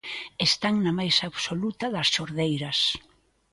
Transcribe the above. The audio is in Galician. Están na máis absoluta das xordeiras.